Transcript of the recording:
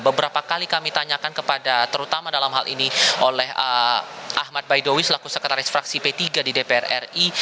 beberapa kali kami tanyakan kepada terutama dalam hal ini oleh ahmad baidowi selaku sekretaris fraksi p tiga di dpr ri